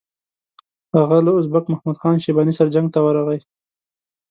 هغه له ازبک محمد خان شیباني سره جنګ ته ورغی.